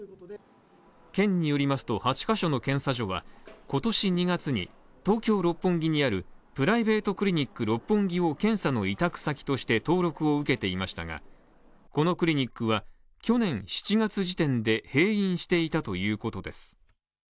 県によりますと８カ所の検査所は今年２月に、東京・六本木にあるプライベートクリニック六本木を検査の委託先として登録を受けていましたが、このクリニックは去年７月時点で閉院していたということです。